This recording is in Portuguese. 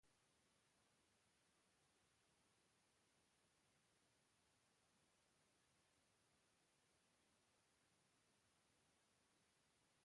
Eu vi-te a passear nos Aliados